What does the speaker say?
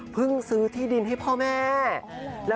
เพิ่งซื้อที่ดินให้พ่อแม่